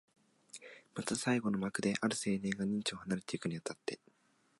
また最後の幕で、ある青年が任地を離れてゆくに当たって、